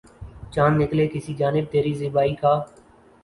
چاند نکلے کسی جانب تری زیبائی کا